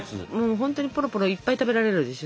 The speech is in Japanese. ほんとにポロポロいっぱい食べられるでしょ？